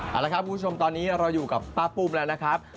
เอาละครับคุณผู้ชมตอนนี้เราอยู่กับป้าปุ้มแล้วนะครับ